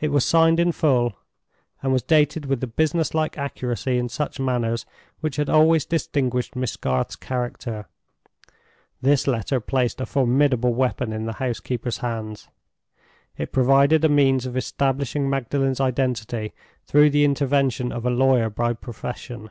It was signed in full, and was dated with the business like accuracy in such matters which had always distinguished Miss Garth's character. This letter placed a formidable weapon in the housekeeper's hands. It provided a means of establishing Magdalen's identity through the intervention of a lawyer by profession.